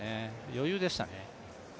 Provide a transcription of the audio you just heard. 余裕でしたね。